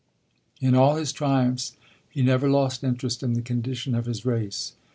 In all his triumphs he never lost interest in the condition of his race.